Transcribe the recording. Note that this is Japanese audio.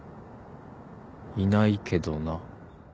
「いないけどな」